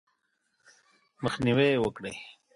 مخنیوی یې وکړئ :